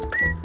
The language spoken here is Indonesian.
ya udah deh